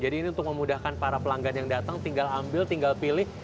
jadi ini untuk memudahkan para pelanggan yang datang tinggal ambil tinggal pilih